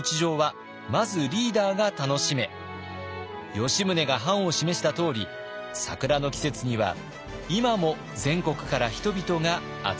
吉宗が範を示したとおり桜の季節には今も全国から人々が集まってきます。